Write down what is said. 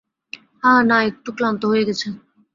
হা-না একটু ক্লান্ত হয়ে গেছে।